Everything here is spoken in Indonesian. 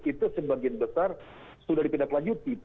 itu sebagian besar sudah ditindaklanjuti